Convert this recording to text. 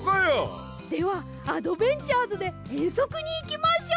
ではあどべんちゃーずでえんそくにいきましょう！